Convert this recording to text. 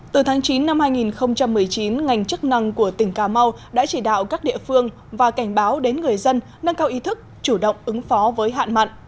từ tháng chín năm hai nghìn một mươi chín ngành chức năng của tỉnh cà mau đã chỉ đạo các địa phương và cảnh báo đến người dân nâng cao ý thức chủ động ứng phó với hạn mặn